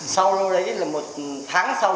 sau đó đấy là một tháng sau